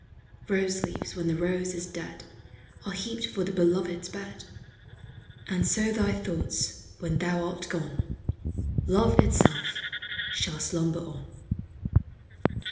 364 POEMS OF SEXTIMEXT. Rose leaves, when the rose is dead, Are heaped for the beloved's bed ; And so thy thoughts, when thou art gone, Love itself shall slumber on.